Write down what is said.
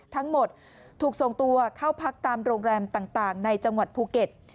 ทั้งหมดถูกส่งตัวเข้าพักตามโรงแรมต่างในจังหวัดภูเก็ต